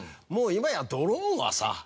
今やドローンはさ。